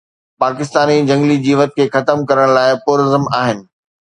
پاڪستاني جهنگلي جيوت کي ختم ڪرڻ لاءِ پرعزم آهن